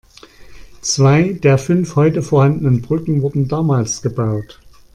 Zwei der fünf heute vorhandenen Brücken wurden damals gebaut.